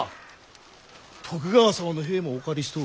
徳川様の兵もお借りしとうごぜます。